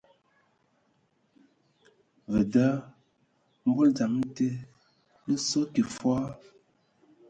Vǝ da mbol dzam te lǝ sǝ kig fɔɔ.